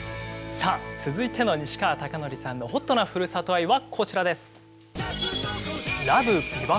さあ続いての西川貴教さんのＨＯＴなふるさと愛はこちらです。